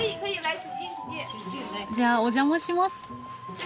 じゃあお邪魔します。